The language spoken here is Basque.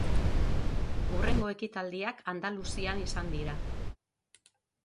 Hurrengo ekitaldiak Andaluzian izan dira.